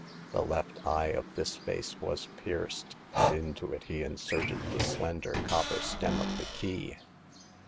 The left eye of this face was pierced, and into it he inserted the slender copper stem of the key.